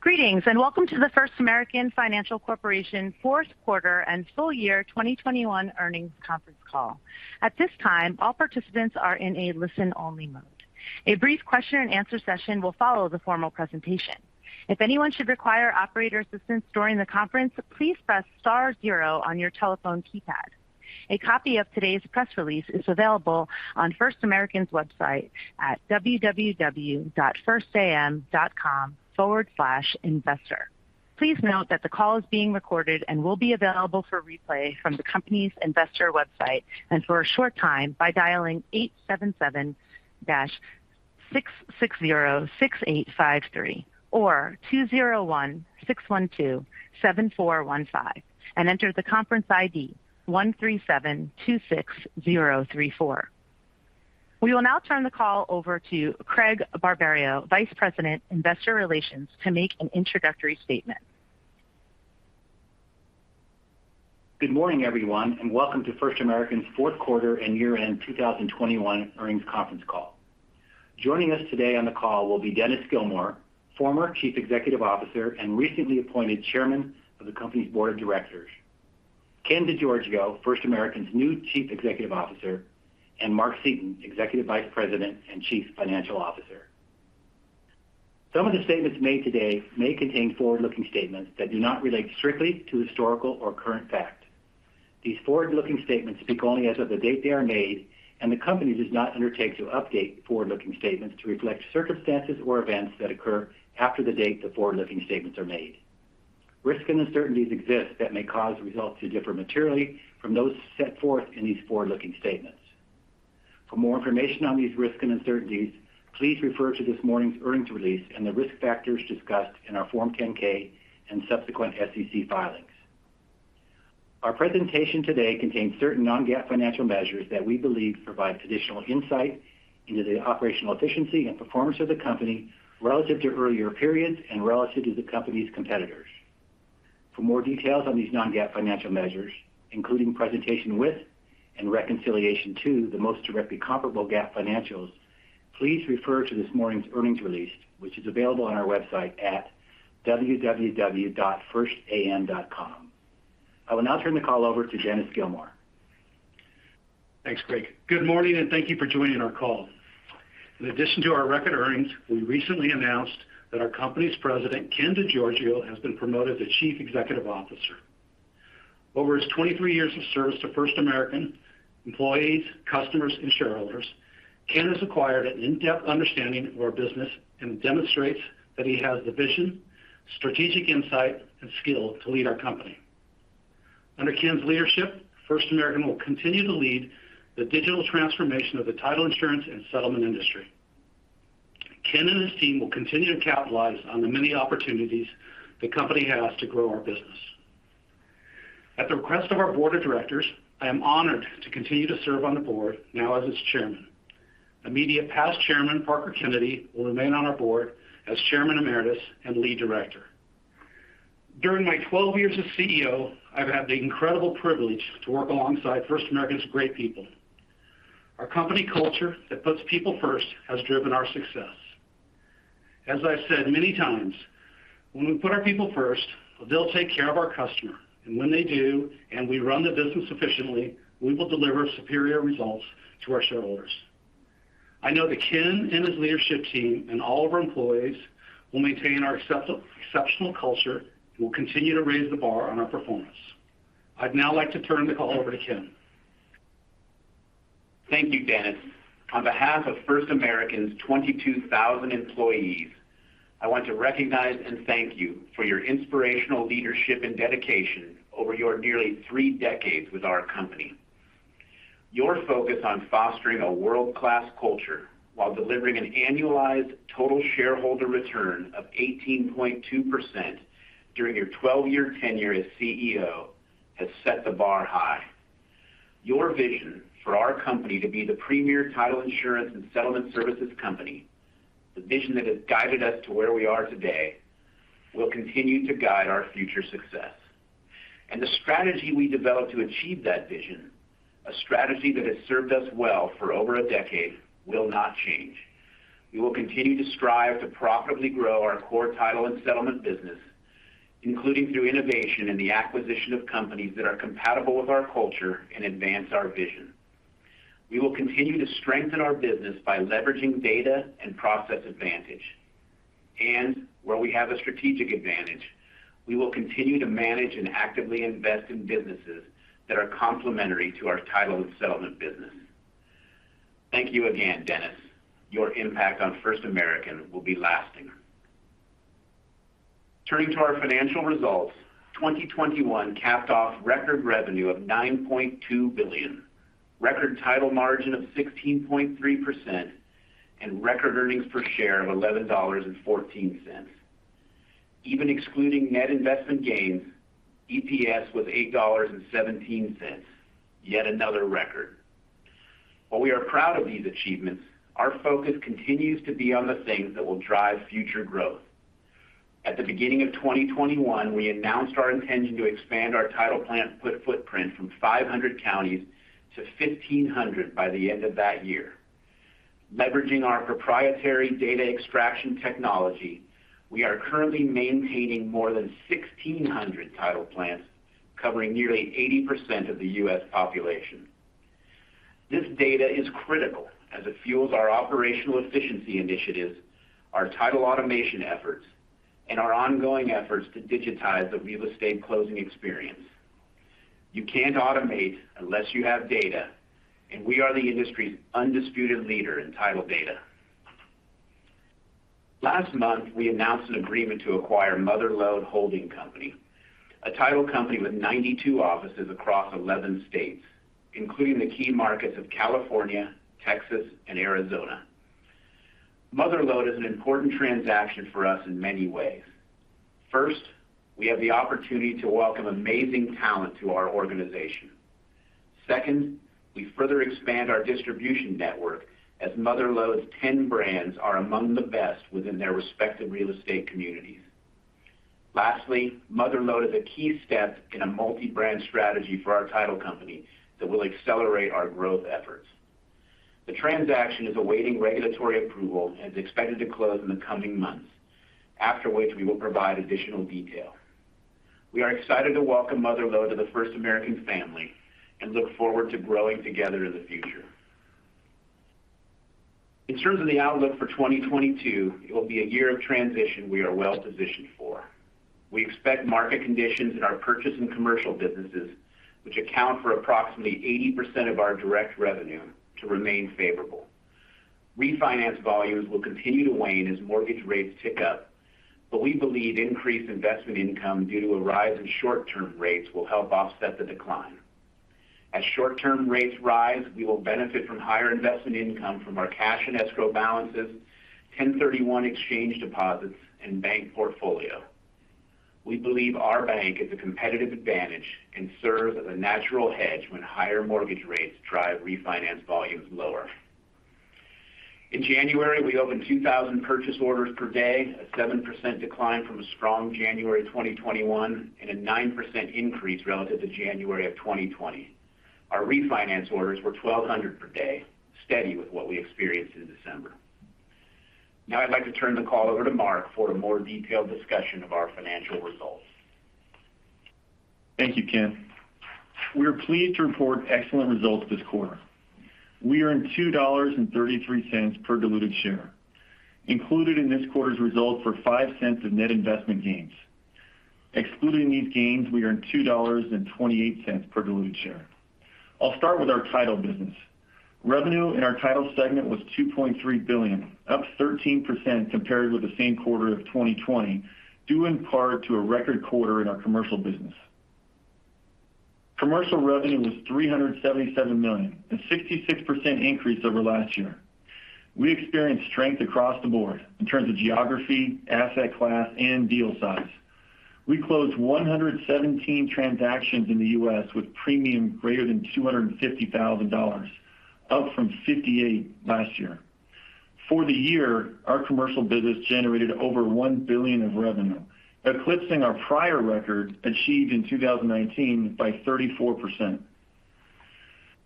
Greetings, and welcome to the First American Financial Corporation Fourth Quarter and Full Year 2021 Earnings Conference Call. At this time, all participants are in a listen-only mode. A brief question-and-answer session will follow the formal presentation. If anyone should require operator assistance during the conference, please press star zero on your telephone keypad. A copy of today's press release is available on First American's website at www.firstam.com/investor. Please note that the call is being recorded and will be available for replay from the company's investor website and for a short time by dialing 877-660-6853 or 201-612-7415 and enter the conference ID 13726034. We will now turn the call over to Craig Barberio, Vice President, Investor Relations, to make an introductory statement. Good morning, everyone, and welcome to First American's Fourth Quarter and Year-end 2021 Earnings Conference Call. Joining us today on the call will be Dennis Gilmore, former Chief Executive Officer and recently appointed Chairman of the company's Board of Directors, Ken DeGiorgio, First American's new Chief Executive Officer, and Mark Seaton, Executive Vice President and Chief Financial Officer. Some of the statements made today may contain forward-looking statements that do not relate strictly to historical or current fact. These forward-looking statements speak only as of the date they are made, and the company does not undertake to update forward-looking statements to reflect circumstances or events that occur after the date the forward-looking statements are made. Risks and uncertainties exist that may cause results to differ materially from those set forth in these forward-looking statements. For more information on these risks and uncertainties, please refer to this morning's earnings release and the risk factors discussed in our Form 10-K and subsequent SEC filings. Our presentation today contains certain non-GAAP financial measures that we believe provide additional insight into the operational efficiency and performance of the company relative to earlier periods and relative to the company's competitors. For more details on these non-GAAP financial measures, including presentation with and reconciliation to the most directly comparable GAAP financials, please refer to this morning's earnings release, which is available on our website at www.firstam.com. I will now turn the call over to Dennis Gilmore. Thanks, Craig. Good morning, and thank you for joining our call. In addition to our record earnings, we recently announced that our company's president, Ken DeGiorgio, has been promoted to Chief Executive Officer. Over his 23 years of service to First American employees, customers, and shareholders, Ken has acquired an in-depth understanding of our business and demonstrates that he has the vision, strategic insight, and skill to lead our company. Under Ken's leadership, First American will continue to lead the digital transformation of the title insurance and settlement industry. Ken and his team will continue to capitalize on the many opportunities the company has to grow our business. At the request of our board of directors, I am honored to continue to serve on the board, now as its chairman. Immediate past chairman, Parker Kennedy, will remain on our board as Chairman Emeritus and Lead Director. During my 12 years as CEO, I've had the incredible privilege to work alongside First American's great people. Our company culture that puts people first has driven our success. As I've said many times, when we put our people first, they'll take care of our customer. When they do, and we run the business efficiently, we will deliver superior results to our shareholders. I know that Ken and his leadership team and all of our employees will maintain our exceptional culture and will continue to raise the bar on our performance. I'd now like to turn the call over to Ken. Thank you, Dennis. On behalf of First American's 22,000 employees, I want to recognize and thank you for your inspirational leadership and dedication over your nearly three decades with our company. Your focus on fostering a world-class culture while delivering an annualized total shareholder return of 18.2% during your 12-year tenure as CEO has set the bar high. Your vision for our company to be the premier title, insurance, and settlement services company, the vision that has guided us to where we are today, will continue to guide our future success. The strategy we developed to achieve that vision, a strategy that has served us well for over a decade, will not change. We will continue to strive to profitably grow our core title and settlement business, including through innovation in the acquisition of companies that are compatible with our culture and advance our vision. We will continue to strengthen our business by leveraging data and process advantage. Where we have a strategic advantage, we will continue to manage and actively invest in businesses that are complementary to our title and settlement business. Thank you again, Dennis. Your impact on First American will be lasting. Turning to our financial results, 2021 capped off record revenue of $9.2 billion, record title margin of 16.3%, and record earnings per share of $11.14. Even excluding net investment gains, EPS was $8.17, yet another record. While we are proud of these achievements, our focus continues to be on the things that will drive future growth. At the beginning of 2021, we announced our intention to expand our title plant footprint from 500 counties to 1,500 by the end of that year. Leveraging our proprietary data extraction technology, we are currently maintaining more than 1,600 title plants covering nearly 80% of the U.S. population. This data is critical as it fuels our operational efficiency initiatives, our title automation efforts, and our ongoing efforts to digitize the real estate closing experience. You can't automate unless you have data, and we are the industry's undisputed leader in title data. Last month, we announced an agreement to acquire Mother Lode Holding Company, a title company with 92 offices across 11 states, including the key markets of California, Texas, and Arizona. Mother Lode is an important transaction for us in many ways. First, we have the opportunity to welcome amazing talent to our organization. Second, we further expand our distribution network as Mother Lode's ten brands are among the best within their respective real estate communities. Lastly, Mother Lode is a key step in a multi-brand strategy for our title company that will accelerate our growth efforts. The transaction is awaiting regulatory approval and is expected to close in the coming months, after which we will provide additional detail. We are excited to welcome Mother Lode to the First American family and look forward to growing together in the future. In terms of the outlook for 2022, it will be a year of transition we are well-positioned for. We expect market conditions in our purchase and commercial businesses, which account for approximately 80% of our direct revenue to remain favorable. Refinance volumes will continue to wane as mortgage rates tick up, but we believe increased investment income due to a rise in short-term rates will help offset the decline. As short-term rates rise, we will benefit from higher investment income from our cash and escrow balances, 1031 exchange deposits, and bank portfolio. We believe our bank is a competitive advantage and serves as a natural hedge when higher mortgage rates drive refinance volumes lower. In January, we opened 2,000 purchase orders per day, a 7% decline from a strong January 2021, and a 9% increase relative to January of 2020. Our refinance orders were 1,200 per day, steady with what we experienced in December. Now I'd like to turn the call over to Mark for a more detailed discussion of our financial results. Thank you, Ken. We are pleased to report excellent results this quarter. We earned $2.33 per diluted share. Included in this quarter's results were $0.05 of net investment gains. Excluding these gains, we earned $2.28 per diluted share. I'll start with our title business. Revenue in our title segment was $2.3 billion, up 13% compared with the same quarter of 2020, due in part to a record quarter in our commercial business. Commercial revenue was $377 million, a 66% increase over last year. We experienced strength across the board in terms of geography, asset class, and deal size. We closed 117 transactions in the U.S. with premium greater than $250,000, up from 58 last year. For the year, our commercial business generated over $1 billion of revenue, eclipsing our prior record achieved in 2019 by 34%.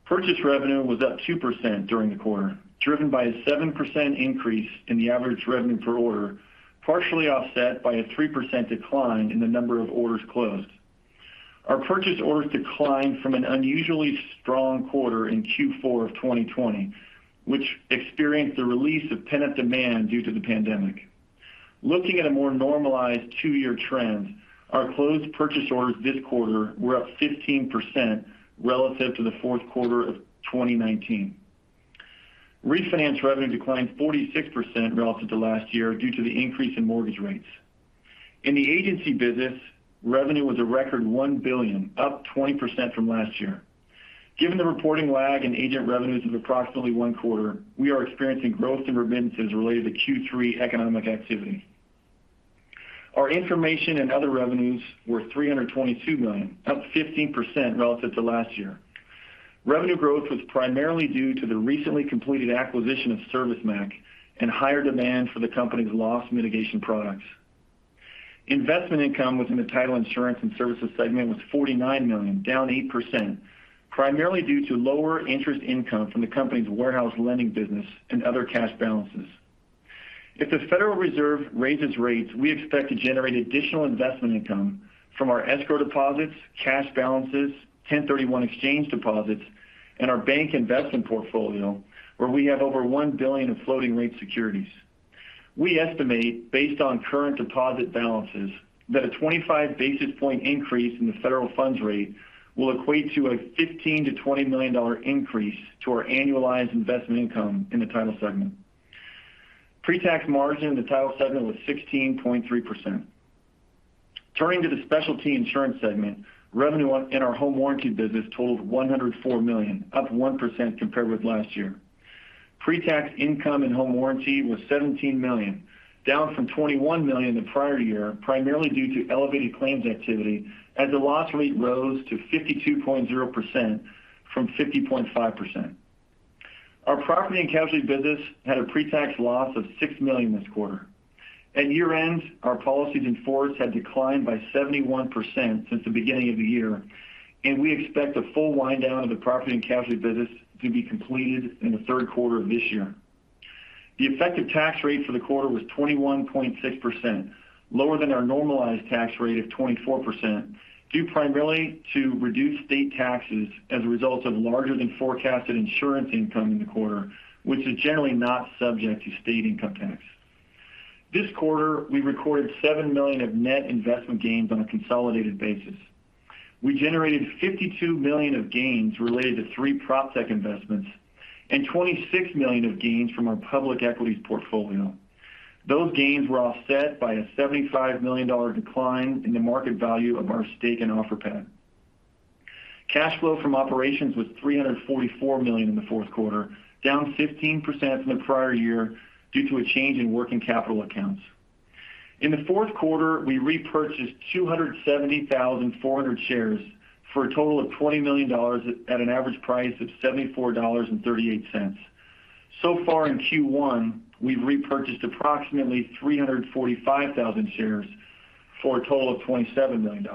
Purchase revenue was up 2% during the quarter, driven by a 7% increase in the average revenue per order, partially offset by a 3% decline in the number of orders closed. Our purchase orders declined from an unusually strong quarter in Q4 of 2020, which experienced a release of pent-up demand due to the pandemic. Looking at a more normalized two-year trend, our closed purchase orders this quarter were up 15% relative to the fourth quarter of 2019. Refinance revenue declined 46% relative to last year due to the increase in mortgage rates. In the agency business, revenue was a record $1 billion, up 20% from last year. Given the reporting lag in agent revenues of approximately one quarter, we are experiencing growth in remittances related to Q3 economic activity. Our information and other revenues were $322 million, up 15% relative to last year. Revenue growth was primarily due to the recently completed acquisition of ServiceMac and higher demand for the company's loss mitigation products. Investment income within the title insurance and services segment was $49 million, down 8%, primarily due to lower interest income from the company's warehouse lending business and other cash balances. If the Federal Reserve raises rates, we expect to generate additional investment income from our escrow deposits, cash balances, 1031 exchange deposits, and our bank investment portfolio, where we have over $1 billion of floating rate securities. We estimate, based on current deposit balances, that a 25 basis point increase in the federal funds rate will equate to a $15 million-$20 million increase to our annualized investment income in the title segment. Pre-tax margin in the title segment was 16.3%. Turning to the specialty insurance segment, revenue in our home warranty business totaled $104 million, up 1% compared with last year. Pre-tax income in home warranty was $17 million, down from $21 million the prior year, primarily due to elevated claims activity as the loss rate rose to 52.0% from 50.5%. Our property and casualty business had a pre-tax loss of $6 million this quarter. At year-end, our policies in force had declined by 71% since the beginning of the year, and we expect a full wind down of the property and casualty business to be completed in the third quarter of this year. The effective tax rate for the quarter was 21.6%, lower than our normalized tax rate of 24%, due primarily to reduced state taxes as a result of larger than forecasted insurance income in the quarter, which is generally not subject to state income tax. This quarter, we recorded $7 million of net investment gains on a consolidated basis. We generated $52 million of gains related to three PropTech investments and $26 million of gains from our public equities portfolio. Those gains were offset by a $75 million decline in the market value of our stake in Offerpad. Cash flow from operations was $344 million in the fourth quarter, down 15% from the prior year due to a change in working capital accounts. In the fourth quarter, we repurchased 274,000 shares for a total of $20 million at an average price of $74.38. So far in Q1, we've repurchased approximately 345,000 shares for a total of $27 million.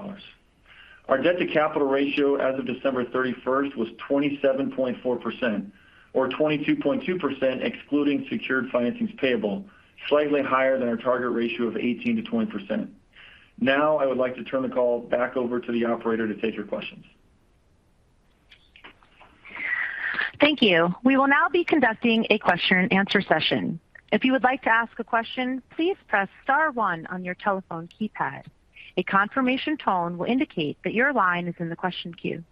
Our debt-to-capital ratio as of December 31st was 27.4% or 22.2% excluding secured financings payable, slightly higher than our target ratio of 18%-20%. Now I would like to turn the call back over to the operator to take your questions. Thank you. We will now be conducting a question-and-answer session. If you would like to ask a question, please press star one on your telephone keypad. A confirmation tone will indicate that your line is in the question queue.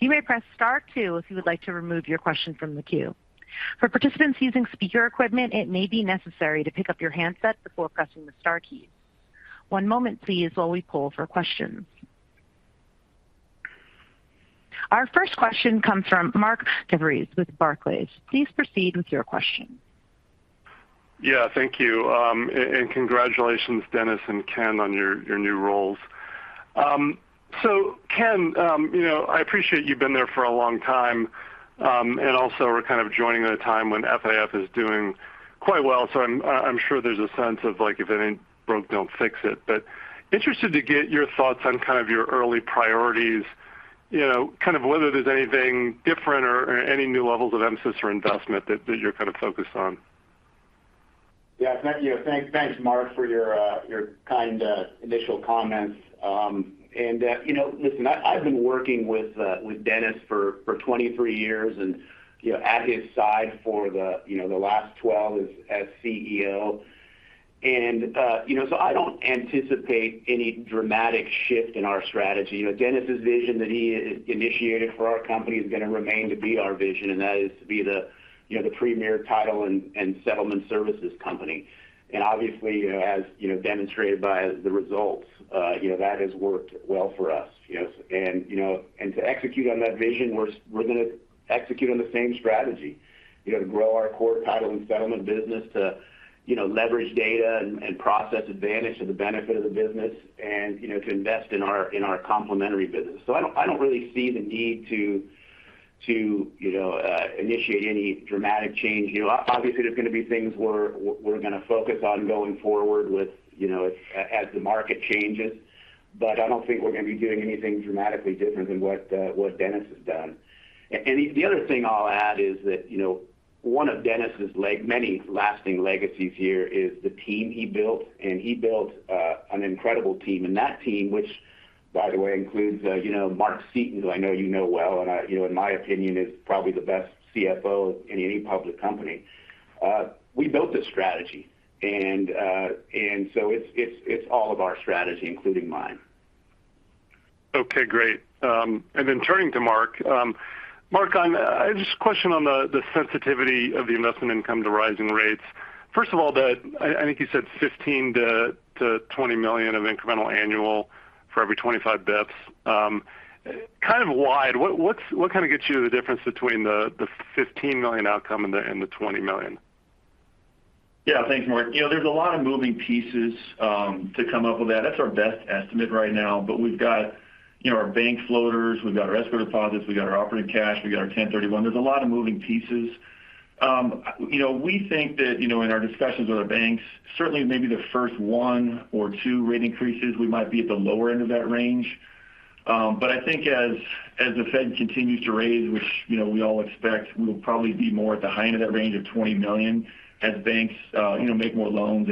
You may press star two if you would like to remove your question from the queue. For participants using speaker equipment, it may be necessary to pick up your handset before pressing the star key. One moment please while we poll for questions. Our first question comes from Mark DeVries with Barclays. Please proceed with your question. Yeah, thank you. And congratulations, Dennis and Ken, on your new roles. So Ken, you know, I appreciate you've been there for a long time, and also we're, kind of, joining at a time when FAF is doing quite well, so I'm sure there's a sense of, like, if it ain't broke, don't fix it. Interested to get your thoughts on kind of your early priorities, you know, kind of whether there's anything different or any new levels of emphasis or investment that you're kind of focused on. Yeah. You know, thanks, Mark, for your kind initial comments. You know, listen, I've been working with Dennis for 23 years and, you know, at his side for the, you know, the last 12 as CEO. You know, so I don't anticipate any dramatic shift in our strategy. You know, Dennis's vision that he initiated for our company is going to remain to be our vision, and that is to be the, you know, the premier title and settlement services company. Obviously, as you know, demonstrated by the results, you know, that has worked well for us. You know, to execute on that vision, we're going to execute on the same strategy, you know, to grow our core title and settlement business, you know, to leverage data and process advantage to the benefit of the business and, you know, to invest in our complementary business. I don't really see the need to, you know, initiate any dramatic change. You know, obviously, there's going to be things we're gonna focus on going forward, you know, as the market changes. I don't think we're going to be doing anything dramatically different than what Dennis has done. The other thing I'll add is that, you know, one of Dennis's many lasting legacies here is the team he built, an incredible team. That team, which by the way includes, you know, Mark Seaton, who I know you know well, you know, in my opinion, is probably the best CFO in any public company. We built this strategy and so it's all of our strategy, including mine. Okay, great. Turning to Mark. Mark, I have a question on the sensitivity of the investment income to rising rates. First of all, I think you said $15 million-$20 million of incremental annual for every 25 basis points. Kind of wide, what kind of gets you the difference between the $15 million outcome and the $20 million? Yeah. Thanks, Mark. You know, there's a lot of moving parts to come up with that. That's our best estimate right now. We've got, you know, our bank floaters, we've got our escrow deposits, we've got our operating cash, we've got our 1031. There are a lot of moving pieces. You know, we think that, you know, in our discussions with our banks, certainly maybe the first one or two rate increases, we might be at the lower end of that range. I think as the Fed continues to raise, which, you know, we all expect, we'll probably be more at the high end of that range of $20 million as banks, you know, make more loans.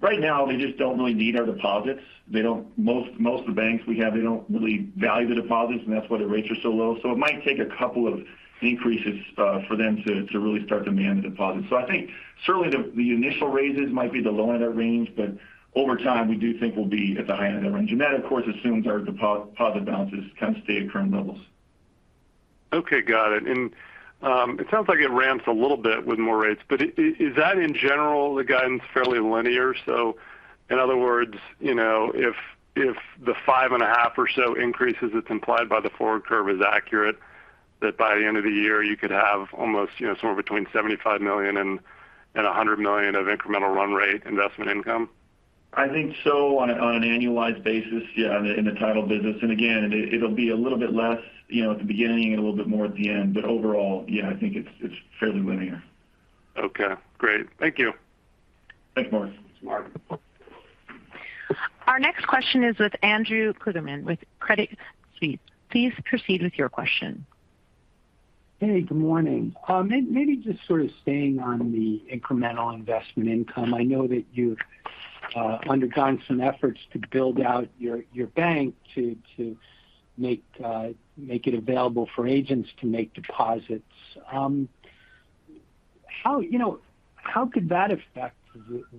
Right now, they just don't really need our deposits. Most of the banks we have, they don't really value the deposits, and that's why the rates are so low. It might take a couple of increases for them to really start to demand the deposits. I think certainly the initial raises might be the low end of that range, but over time, we do think we'll be at the high end of that range. That, of course, assumes our deposit balances, kind of, stay at current levels. Okay, got it. It sounds like it ramps a little bit with more rates, but is that in general the guidance fairly linear? So in other words, you know, if the 5.5% or so increases that's implied by the forward curve is accurate, that by the end of the year you could have almost, you know, somewhere between $75 million and $100 million of incremental run rate investment income? I think so on an annualized basis, yeah, in the title business. Again, it'll be a little bit less, you know, at the beginning and a little bit more at the end. Overall, yeah, I think it's fairly linear. Okay, great. Thank you. Thanks, Mark. Our next question is with Andrew Kligerman with Credit Suisse. Please proceed with your question. Hey, good morning. Maybe just sort of staying on the incremental investment income. I know that you've undergone some efforts to build out your bank to make it available for agents to make deposits. You know, how could that affect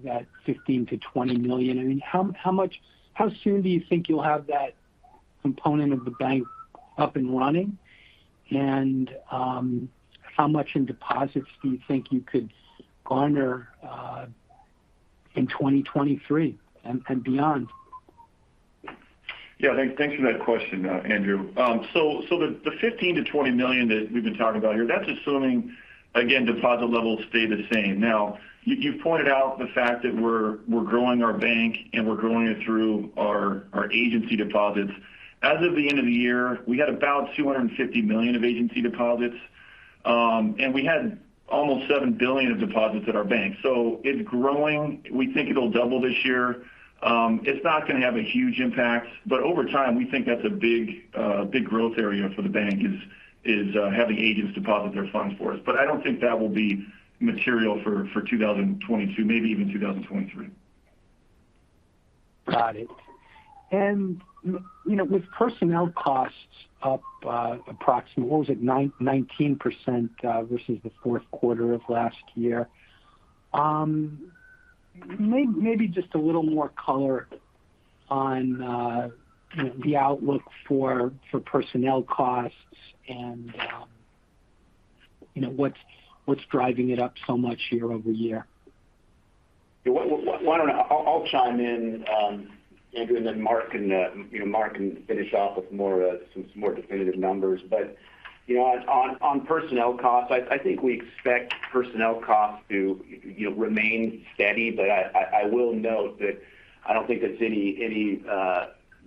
that $15 million-$20 million? I mean, how much how soon do you think you'll have that component of the bank up and running? And how much in deposits do you think you could garner in 2023 and beyond? Yeah. Thanks for that question, Andrew. The $15 million-$20 million that we've been talking about here, that's assuming, again, deposit levels stay the same. Now, you've pointed out the fact that we're growing our bank, and we're growing it through our agency deposits. As of the end of the year, we had about $250 million of agency deposits, and we had almost $7 billion of deposits at our bank. It's growing. We think it'll double this year. It's not going to have a huge impact, but over time, we think that's a big growth area for the bank is having agents deposit their funds for us. But I don't think that will be material for 2022, maybe even 2023. Got it. You know, with personnel costs up approximately 19% versus the fourth quarter of last year, maybe just a little more color on, you know, the outlook for personnel costs and you know, what's driving it up so much YoY. Why don't I, I'll chime in, Andrew, and then Mark can, you know, finish off with some more definitive numbers. You know, on personnel costs, I think we expect personnel costs to, you know, remain steady. I will note that I don't think there's any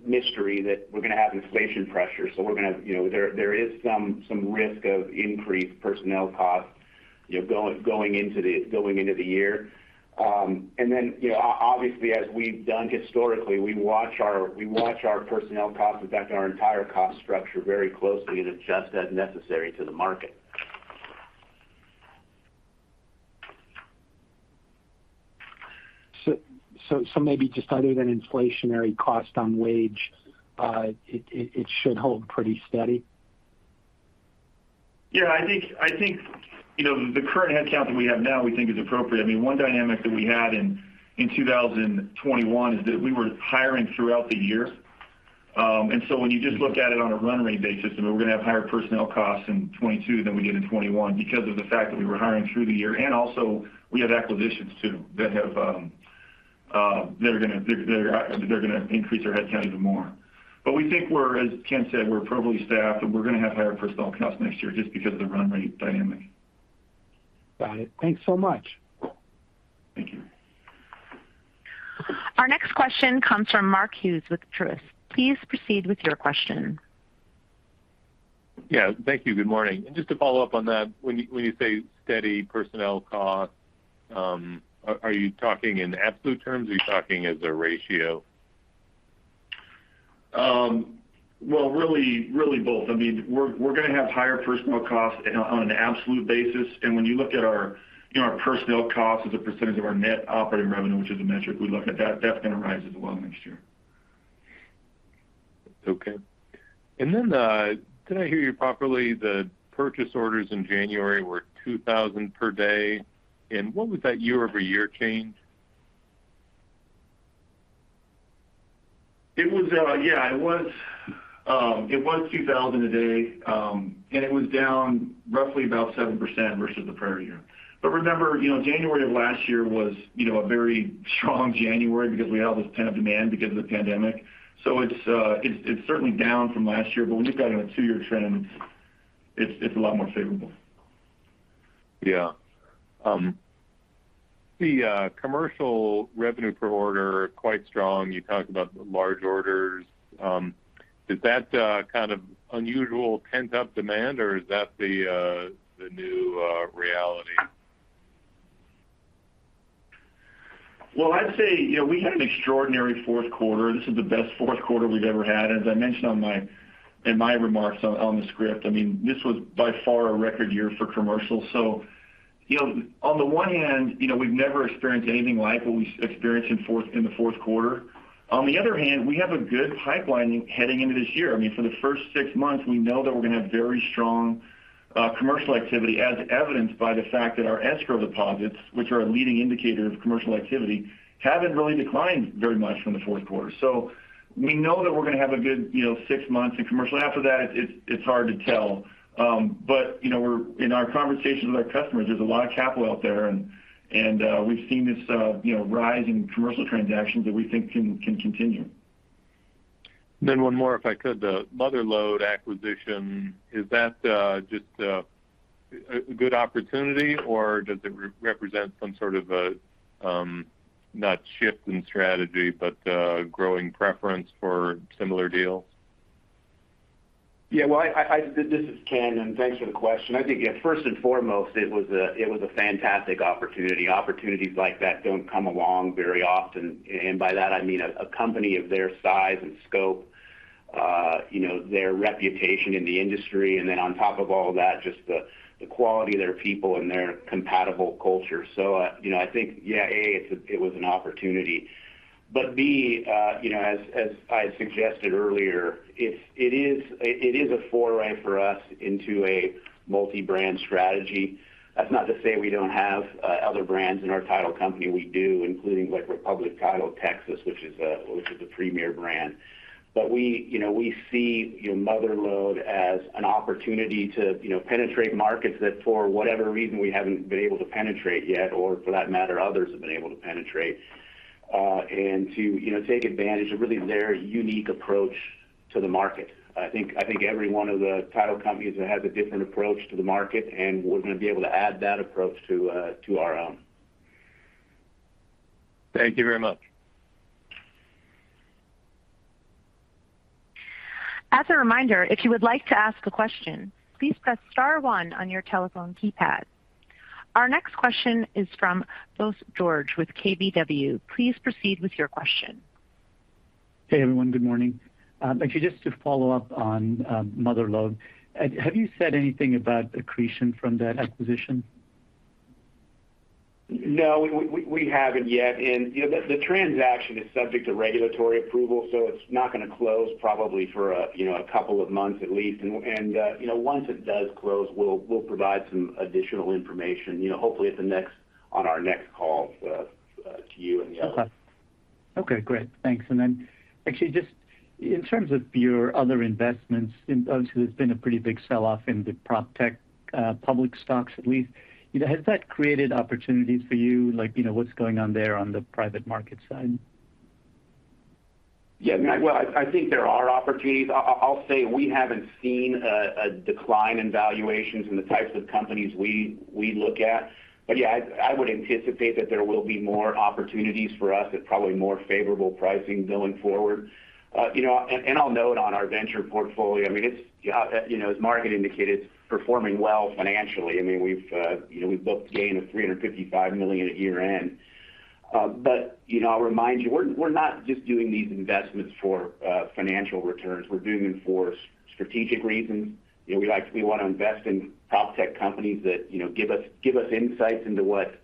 mystery that we're going to have inflation pressure. We're gonna, you know, there is some risk of increased personnel costs, you know, going into the year. You know, obviously, as we've done historically, we watch our personnel costs, in fact, our entire cost structure very closely and adjust as necessary to the market. Maybe just other than inflationary cost on wage, it should hold pretty steady? Yeah, I think you know, the current head count that we have now we think is appropriate. I mean, one dynamic that we had in 2021 is that we were hiring throughout the year. When you just look at it on a run rate basis, I mean, we're going to have higher personnel costs in 2022 than we did in 2021 because of the fact that we were hiring through the year. We also had acquisitions too, that are going to increase our head count even more. We think, as Ken said, we're appropriately staffed, and we're going to have higher personnel costs next year just because of the run rate dynamic. Got it. Thanks so much. Our next question comes from Mark Hughes with Truist. Please proceed with your question. Yeah. Thank you. Good morning. Just to follow up on that, when you say steady personnel costs, are you talking in absolute terms or are you talking as a ratio? Well, really both. I mean, we're going to have higher personnel costs on an absolute basis. When you look at our, you know, our personnel costs as a percentage of our net operating revenue, which is the metric we look at, that's going to rise as well next year. Okay. Did I hear you properly the purchase orders in January were 2,000 per day? What was that YoY change? Yeah. It was 2,000 a day, and it was down roughly about 7% versus the prior year. Remember, you know, January of last year was, you know, a very strong January because we had all this pent-up demand because of the pandemic. It's certainly down from last year. When you look at it on a two-year trend, it's a lot more favorable. Yeah. The commercial revenue per order, quite strong. You talked about large orders. Is that kind of unusual pent-up demand, or is that the new reality? Well, I'd say, you know, we had an extraordinary fourth quarter. This is the best fourth quarter we've ever had. As I mentioned in my remarks on the script, I mean, this was by far a record year for commercial. You know, on the one hand, you know, we've never experienced anything like what we experienced in the fourth quarter. On the other hand, we have a good pipeline heading into this year. I mean, for the first six months, we know that we're going to have very strong commercial activity, as evidenced by the fact that our escrow deposits, which are a leading indicator of commercial activity, haven't really declined very much from the fourth quarter. We know that we're going to have a good, you know, six months in commercial. After that, it's hard to tell. You know, in our conversations with our customers, there's a lot of capital out there and you know, rise in commercial transactions that we think can continue. One more, if I could. The Mother Lode acquisition, is that just a good opportunity or does it represent some sort of, not a shift in strategy, but a growing preference for similar deals? Yeah. Well, this is Ken, and thanks for the question. I think, yeah, first and foremost, it was a fantastic opportunity. Opportunities like that don't come along very often. And by that, I mean a company of their size and scope, you know, their reputation in the industry, and then on top of all that, just the quality of their people and their compatible culture. So, you know, I think, yeah, A, it was an opportunity. But B, you know, as I suggested earlier, it is a foray for us into a multi-brand strategy. That's not to say we don't have other brands in our title company. We do, including like Republic Title of Texas, which is a premier brand. We, you know, we see Mother Lode as an opportunity to, you know, penetrate markets that for whatever reason we haven't been able to penetrate yet, or for that matter, others have been able to penetrate, and to, you know, take advantage of really their unique approach to the market. I think every one of the title companies has a different approach to the market, and we're gonna be able to add that approach to our own. Thank you very much. As a reminder, if you would like to ask a question, please press star one on your telephone keypad. Our next question is from Bose George with KBW. Please proceed with your question. Hey, everyone. Good morning. Actually, just to follow up on Mother Lode. Have you said anything about accretion from that acquisition? No, we haven't yet. You know, the transaction is subject to regulatory approval, so it's not going to close probably for a, you know, a couple of months at least. You know, once it does close, we'll provide some additional information, you know, hopefully on our next call to you and the others. Okay. Okay, great. Thanks. Actually, just in terms of your other investments, and obviously there's been a pretty big sell-off in the PropTech public stocks at least. Has that created opportunities for you? Like, you know, what's going on there on the private market side? Yeah. Well, I think there are opportunities. I'll say we haven't seen a decline in valuations in the types of companies we look at. Yeah, I would anticipate that there will be more opportunities for us at probably more favorable pricing going forward. You know, I'll note on our venture portfolio. I mean, it's, you know, as Mark had indicated, it's performing well financially. I mean, we've, you know, booked gain of $355 million at year-end. You know, I'll remind you, we're not just doing these investments for financial returns. We're doing them for strategic reasons. You know, we want to invest in PropTech companies that, you know, give us insights into what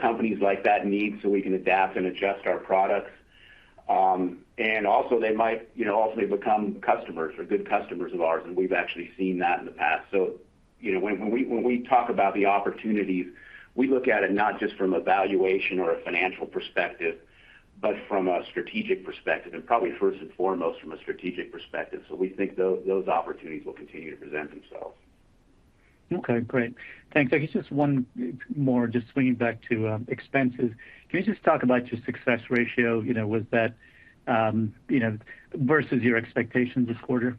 companies like that need so we can adapt and adjust our products. Also they might, you know, ultimately become customers or good customers of ours, and we've actually seen that in the past. You know, when we talk about the opportunities, we look at it not just from a valuation or a financial perspective, but from a strategic perspective, and probably first and foremost from a strategic perspective. We think those opportunities will continue to present themselves. Okay, great. Thanks. I guess just one more, just swinging back to expenses. Can you just talk about your success ratio, you know, with that, you know, versus your expectations this quarter?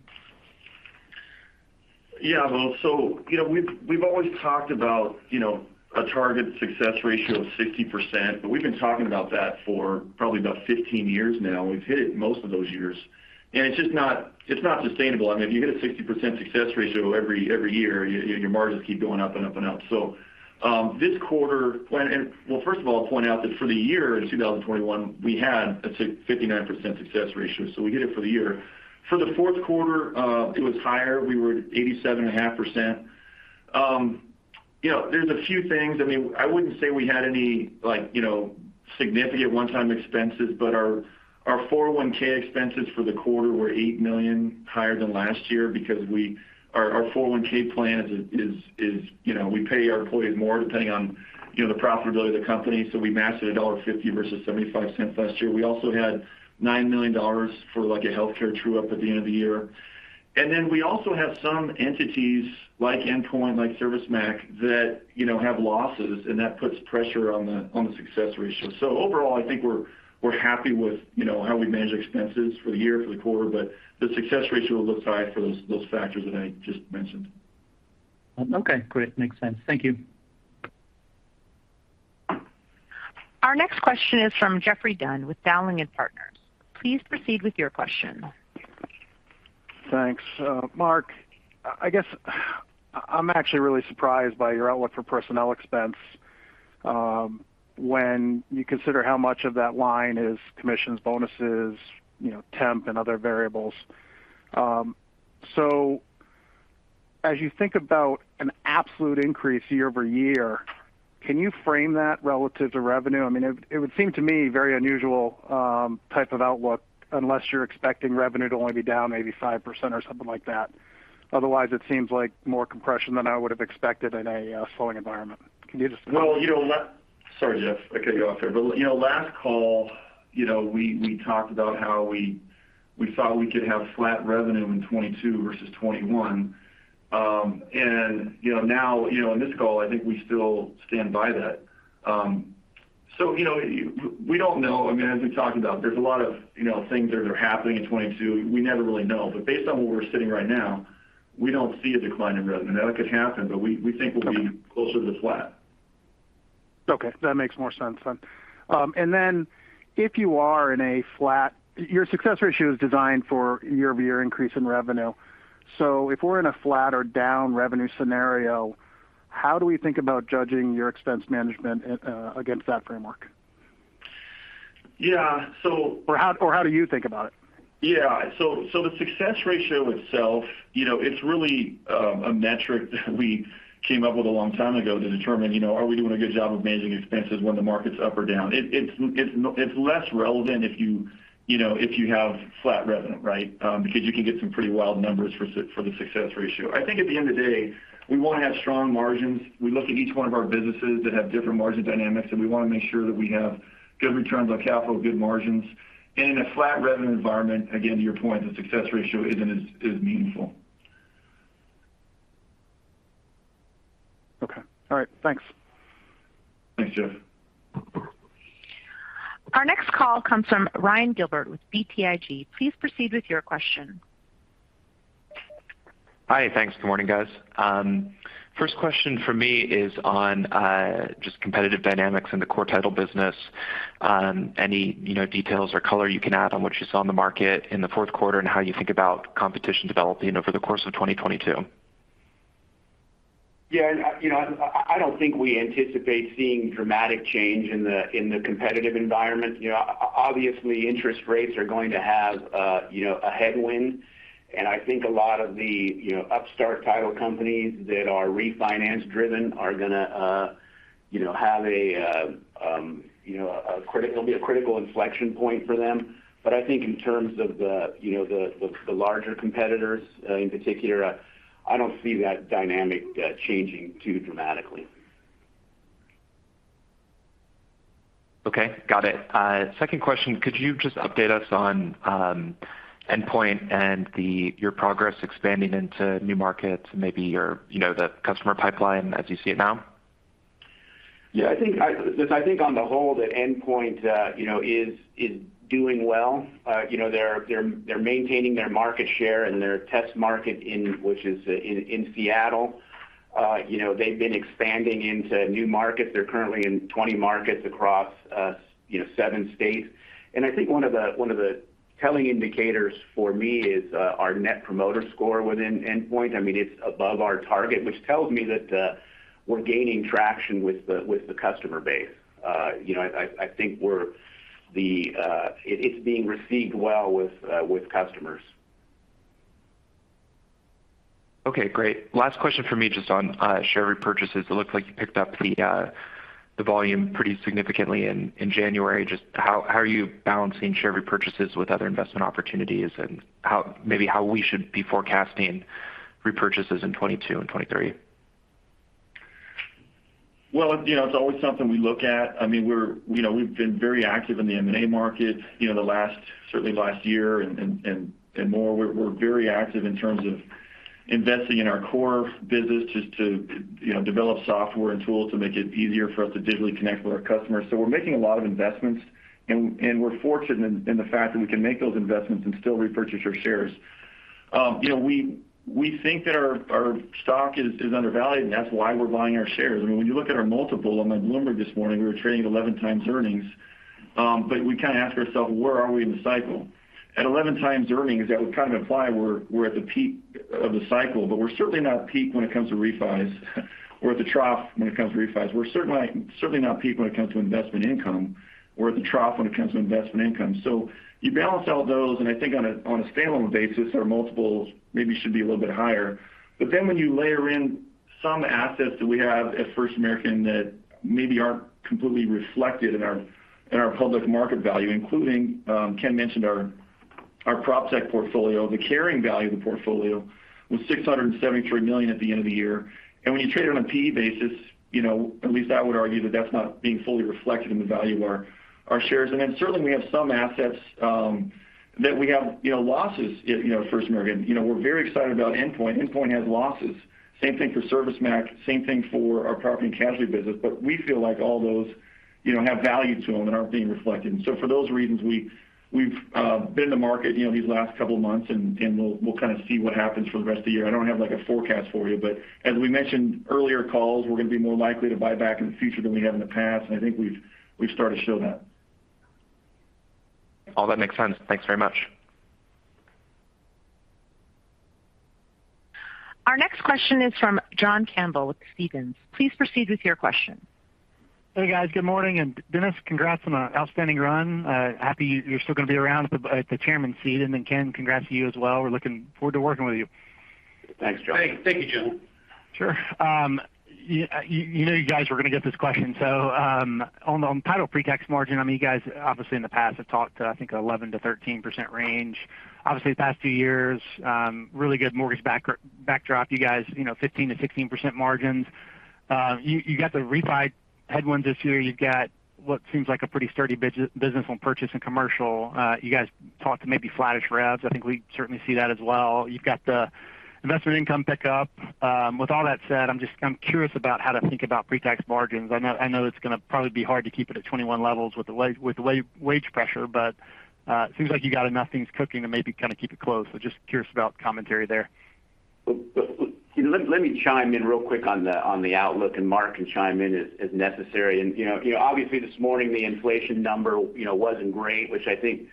Yeah. Well, so, you know, we've always talked about, you know, a target success ratio of 60%, but we've been talking about that for probably about 15 years now, and we've hit it most of those years. It's just not sustainable. I mean, if you hit a 60% success ratio every year, your margins keep going up and up and up. Well, first of all, I'll point out that for the year in 2021, we had a 59% success ratio. We hit it for the year. For the fourth quarter, it was higher. We were at 87.5%. You know, there's a few things. I mean, I wouldn't say we had any like, you know, significant one-time expenses, but our 401(k) expenses for the quarter were $8 million higher than last year because our 401(k) plan is, you know, we pay our employees more depending on, you know, the profitability of the company. We matched it at $1.50 versus $0.75 last year. We also had $9 million for like a healthcare true-up at the end of the year. We also have some entities like Endpoint, like ServiceMac, that, you know, have losses, and that puts pressure on the success ratio. Overall, I think we're happy with, you know, how we managed expenses for the year, for the quarter, but the success ratio looks high for those factors that I just mentioned. Okay, great. Makes sense. Thank you. Our next question is from Geoffrey Dunn with Dowling & Partners. Please proceed with your question. Thanks. Mark, I guess I'm actually really surprised by your outlook for personnel expense, when you consider how much of that line is commissions, bonuses, you know, temp and other variables. As you think about an absolute increase YoY, can you frame that relative to revenue? I mean, it would seem to me very unusual type of outlook unless you're expecting revenue to only be down maybe 5% or something like that. Otherwise, it seems like more compression than I would have expected in a slowing environment. Can you just- Well, you know, sorry, Jeff, I cut you off there. You know, last call, you know, we talked about how we thought we could have flat revenue in 2022 versus 2021. You know, now, you know, in this call, I think we still stand by that. You know, we don't know. I mean, as we talked about, there's a lot of, you know, things that are happening in 2022. We never really know. Based on where we're sitting right now, we don't see a decline in revenue. Now, that could happen, but we think we'll be closer to flat. Okay. That makes more sense then. Your success ratio is designed for YoY increase in revenue. If we're in a flat or down revenue scenario, how do we think about judging your expense management against that framework? Yeah. How do you think about it? Yeah, so the success ratio itself, you know, it's really a metric that we came up with a long time ago to determine, you know, are we doing a good job of managing expenses when the market's up or down. It's less relevant, you know, if you have flat revenue, right? Because you can get some pretty wild numbers for the success ratio. I think at the end of the day, we want to have strong margins. We look at each one of our businesses that have different margin dynamics, and we want to make sure that we have good returns on capital, good margins. In a flat revenue environment, again, to your point, the success ratio isn't as meaningful. Okay. All right. Thanks. Thanks, Jeff. Our next call comes from Ryan Gilbert with BTIG. Please proceed with your question. Hi. Thanks. Good morning, guys. First question for me is on just competitive dynamics in the core title business. Any, you know, details or color you can add on what you saw in the market in the fourth quarter and how you think about competition developing over the course of 2022? Yeah. You know, I don't think we anticipate seeing dramatic change in the competitive environment. You know, obviously, interest rates are going to have a headwind. I think a lot of the, you know, upstart title companies that are refinance-driven are gonna, you know, have a, you know, it'll be a critical inflection point for them. I think in terms of the, you know, the larger competitors, in particular, I don't see that dynamic changing too dramatically. Okay. Got it. Second question, could you just update us on Endpoint and your progress expanding into new markets, maybe your, you know, the customer pipeline as you see it now? Yeah. I think on the whole that Endpoint, you know, is doing well. You know, they're maintaining their market share in their test market, which is in Seattle. You know, they've been expanding into new markets. They're currently in 20 markets across seven states. I think one of the telling indicators for me is our Net Promoter Score within Endpoint. I mean, it's above our target, which tells me that we're gaining traction with the customer base. You know, I think it's being received well with customers. Okay. Great. Last question for me, just on share repurchases. It looks like you picked up the volume pretty significantly in January. Just how are you balancing share repurchases with other investment opportunities and how maybe we should be forecasting repurchases in 2022 and 2023? Well, you know, it's always something we look at. I mean, we're you know, we've been very active in the M&A market, you know, the last certainly last year and more. We're very active in terms of investing in our core business just to, you know, develop software and tools to make it easier for us to digitally connect with our customers. So we're making a lot of investments, and we're fortunate in the fact that we can make those investments and still repurchase our shares. You know, we think that our stock is undervalued, and that's why we're buying our shares. I mean, when you look at our multiple on, like, Bloomberg this morning, we were trading 11x earnings. But we, kind of, ask ourselves, where are we in the cycle? At 11x earnings, that would kind of imply we're at the peak of the cycle, but we're certainly not at peak when it comes to refinancings or at the trough when it comes to refinancings. We're certainly not peak when it comes to investment income or at the trough when it comes to investment income. You balance out those, and I think on a standalone basis, our multiples maybe should be a little bit higher. When you layer in some assets that we have at First American that maybe aren't completely reflected in our public market value, including Ken mentioned our PropTech portfolio. The carrying value of the portfolio was $673 million at the end of the year. When you trade it on a P/E basis, you know, at least I would argue that that's not being fully reflected in the value of our shares. Then certainly we have some assets that we have losses, you know, at First American. You know, we're very excited about Endpoint. Endpoint has losses. Same thing for ServiceMac. Same thing for our property and casualty business. But we feel like all those, you know, have value to them and aren't being reflected. For those reasons, we've been to market, you know, these last couple of months, and we'll kind of see what happens for the rest of the year. I don't have, like, a forecast for you, but as we mentioned earlier calls, we're gonna be more likely to buy back in the future than we have in the past. I think we've started to show that. All that makes sense. Thanks very much. Our next question is from John Campbell with Stephens. Please proceed with your question. Hey, guys. Good morning. Dennis, congrats on an outstanding run. Happy you're still going to be around at the chairman seat. Ken, congrats to you as well. We're looking forward to working with you. Thanks, John. Sure. You know you guys were going to get this question. On title pre-tax margin, I mean, you guys obviously in the past have talked, I think, 11%-13% range. Obviously, the past few years, really good mortgage backdrop. You guys, you know, 15%-16% margins. You got the refinancing headwinds this year. You've got what seems like a pretty sturdy business on purchase and commercial. You guys talked to maybe flattish revs. I think we certainly see that as well. You've got the investment income pickup. With all that said, I'm just curious about how to think about pre-tax margins. I know it's going to probably be hard to keep it at 2021 levels with the wage pressure, but seems like you got enough things cooking to maybe kind of keep it close. Just curious about commentary there. Well, let me chime in real quick on the outlook, and Mark can chime in as necessary. You know, obviously this morning the inflation number wasn't great, which I think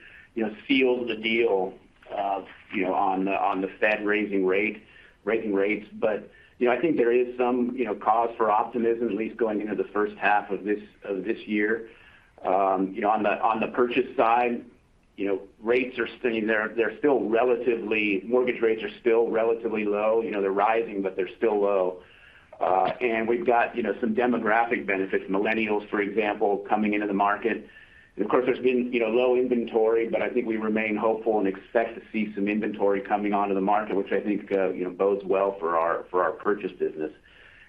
sealed the deal on the Fed raising rates. You know, I think there is some cause for optimism at least going into the first half of this year. You know, on the purchase side, rates are staying there. They're still relatively low. Mortgage rates are still relatively low. You know, they're rising, but they're still low. And we've got some demographic benefits, millennials, for example, coming into the market. Of course, there's been, you know, low inventory, but I think we remain hopeful and expect to see some inventory coming onto the market, which I think, you know, bodes well for our purchase business.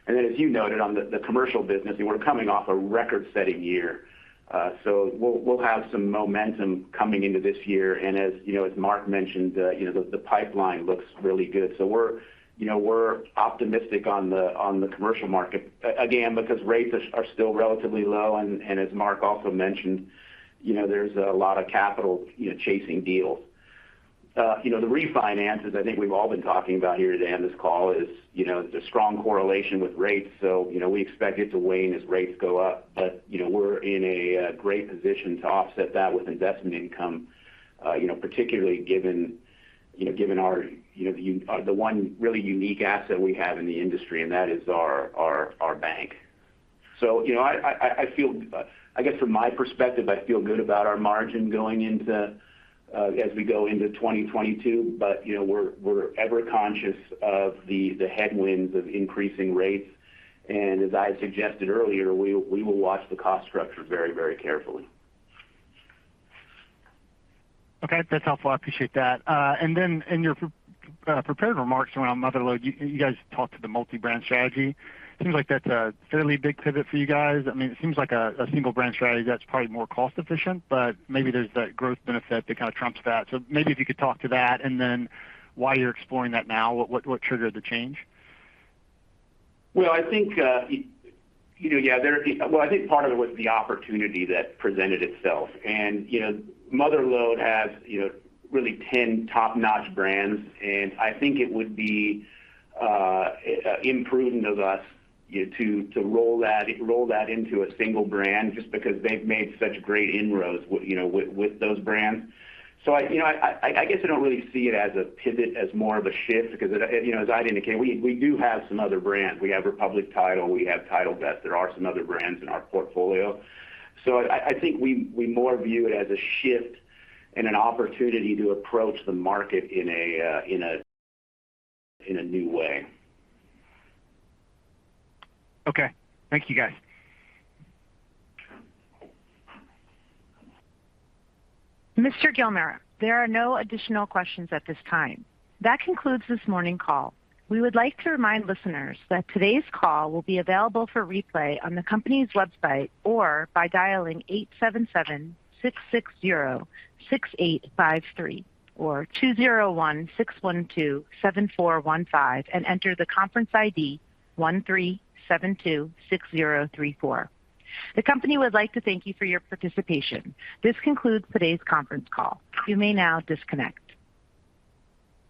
Then as you noted on the commercial business, we're coming off a record-setting year. So we'll have some momentum coming into this year. As you know, as Mark mentioned, you know, the pipeline looks really good. So we're, you know, we're optimistic on the commercial market again because rates are still relatively low. And as Mark also mentioned, you know, there's a lot of capital, you know, chasing deals. You know, the refinances I think we've all been talking about here today on this call is, you know, the strong correlation with rates. We expect it to wane as rates go up. We're in a great position to offset that with investment income, particularly given our the one really unique asset we have in the industry, and that is our bank. I guess from my perspective, I feel good about our margin going into as we go into 2022. We're ever conscious of the headwinds of increasing rates. As I suggested earlier, we will watch the cost structure very, very carefully. Okay. That's helpful. I appreciate that. And then in your prepared remarks around Mother Lode, you guys talked about the multi-brand strategy. It seems like that's a fairly big pivot for you guys. I mean, it seems like a single brand strategy that's probably more cost-efficient, but maybe there's that growth benefit that kind of trumps that. Maybe if you could talk about that, and then why you're exploring that now. What triggered the change? Well, I think part of it was the opportunity that presented itself. You know, Mother Lode has ten top-notch brands, and I think it would be imprudent of us to roll that into a single brand just because they've made such great inroads with those brands. I, you know, guess I don't really see it as a pivot, as more of a shift because, as I indicated, we do have some other brands. We have Republic Title, we have TitleVest. There are some other brands in our portfolio. I think we more view it as a shift and an opportunity to approach the market in a new way. Okay. Thank you, guys. Mr. Gilmore, there are no additional questions at this time. That concludes this morning call. We would like to remind listeners that today's call will be available for replay on the company's website or by dialing 877-660-6853 or 201-612-7415 and enter the conference ID 13726034. The company would like to thank you for your participation. This concludes today's conference call. You may now disconnect.